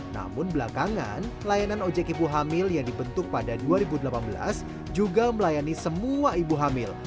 namun belakangan layanan ojek ibu hamil yang dibentuk pada dua ribu delapan belas juga melayani semua ibu hamil